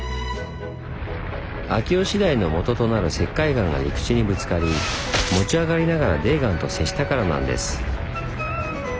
秋吉台のもととなる石灰岩が陸地にぶつかり持ち上がりながら泥岩と接したからなんです。